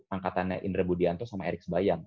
angkatannya indra budianto sama erick sebayang